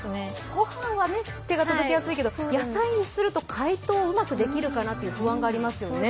ご飯は手が届きやすいけど野菜にすると解凍がうまくできるかなって不安がありますよね。